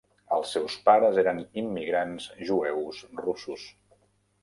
Els seus pares eren immigrants jueus russos.